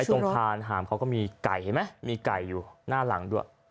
ตรงคานหามเขาก็มีไก่เห็นไหมมีไก่อยู่หน้าหลังด้วย